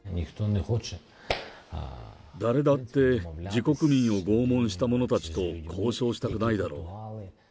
誰だって自国民を拷問した者たちと交渉したくないだろう。